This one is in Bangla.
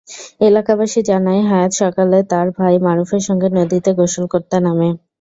এলাকাবাসী জানায়, হায়াত সকালে তার ভাই মারুফের সঙ্গে নদীতে গোসল করতে নামে।